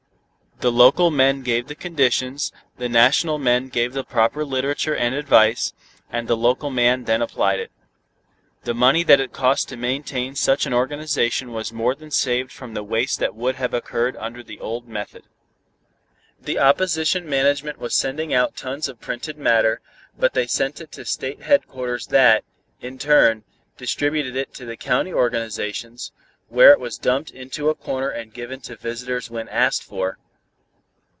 The local men gave the conditions, the national men gave the proper literature and advice, and the local man then applied it. The money that it cost to maintain such an organization was more than saved from the waste that would have occurred under the old method. The opposition management was sending out tons of printed matter, but they sent it to state headquarters that, in turn, distributed it to the county organizations, where it was dumped into a corner and given to visitors when asked for.